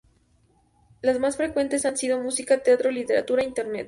Las más frecuentes han sido música, teatro, literatura e internet.